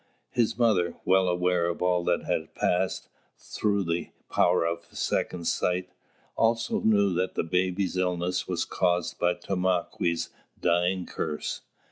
His mother, well aware of all that had passed, through the power of second sight, also knew that the baby's illness was caused by Tomāquè's dying curse.